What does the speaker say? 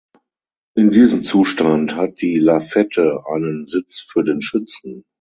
In diesem Zustand hat die Lafette einen Sitz für den Schützen.